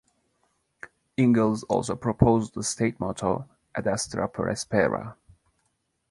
Ingalls also proposed the state motto, "Ad astra per aspera".